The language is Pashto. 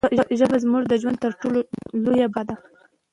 پښتو ژبه زموږ د ژوند تر ټولو لویه برخه ده.